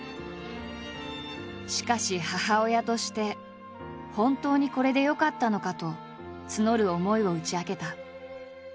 しかし母親として本当にこれでよかったのかと募る思いを打ち明けた。